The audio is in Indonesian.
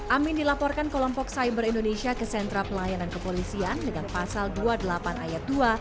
amin dilaporkan ke kelompok cyber indonesia ke sentra pelayanan kepolisian dengan pasal dua puluh delapan ayat dua